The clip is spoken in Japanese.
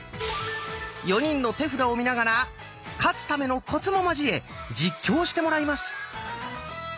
４人の手札を見ながら「勝つためのコツ」も交え実況してもらいます。